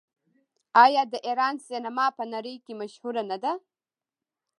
آیا د ایران سینما په نړۍ کې مشهوره نه ده؟